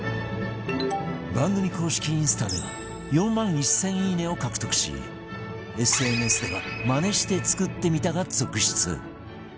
番組公式インスタでは４万１０００「いいね」を獲得し ＳＮＳ では「マネして作ってみた」が続出